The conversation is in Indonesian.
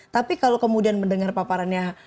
tapi kalau kemudian mendengar paparannya